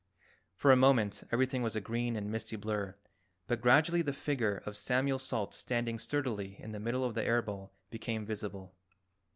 For a moment everything was a green and misty blur, but gradually the figure of Samuel Salt standing sturdily in the middle of the air bowl became visible.